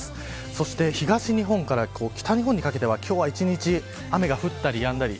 そして東日本から北日本にかけては今日は一日雨が降ったりやんだり。